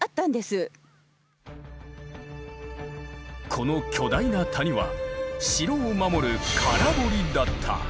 この巨大な谷は城を守る空堀だった。